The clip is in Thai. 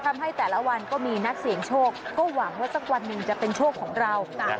ทำให้แต่ละวันก็มีนักเสี่ยงโชคก็หวังว่าสักวันหนึ่งจะเป็นโชคของเรา